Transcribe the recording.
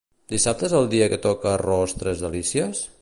Dissabte és el dia que toca arròs tres delícies?